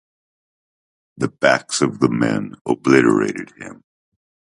The backs of the men obliterated him.